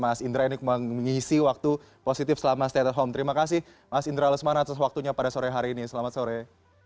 mas indra ini mengisi waktu positif selama stay at home terima kasih mas indra lesmana atas waktunya pada sore hari ini selamat sore